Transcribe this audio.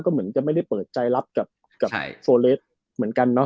ก็เหมือนจะไม่ได้เปิดใจรับกับโซเลสเหมือนกันเนาะ